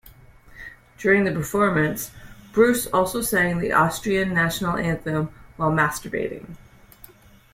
During the performance Brus also sang the Austrian National Anthem while masturbating.